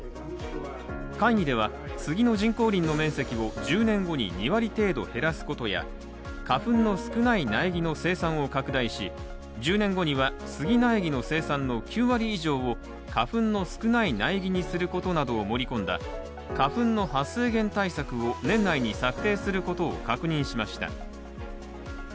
会議ではスギの人工林の面積を１０年後に２割程度減らすことや花粉の少ない苗木の生産を拡大し１０年後にはスギ苗木の生産の９割以上を花粉の少ない苗木にすることなどを盛り込んだ花粉の発生源対策を年内に策定することを確認しました。